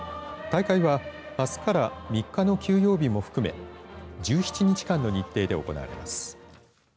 大会はあすから３日の休養日も含め１７日間の日程で行われます。